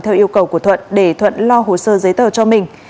theo yêu cầu của thuận để thuận lo hồ sơ giấy tờ cho mình